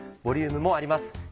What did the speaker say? ボリュームもあります。